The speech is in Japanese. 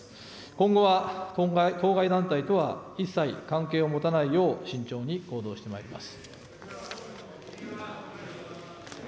今後は当該団体とは一切関係を持たないよう慎重に行動してまいります。